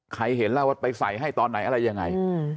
เห็นแล้วว่าไปใส่ให้ตอนไหนอะไรยังไง